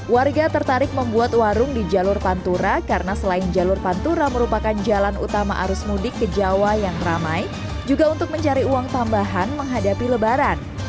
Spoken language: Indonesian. warga tertarik membuat warung di jalur pantura karena selain jalur pantura merupakan jalan utama arus mudik ke jawa yang ramai juga untuk mencari uang tambahan menghadapi lebaran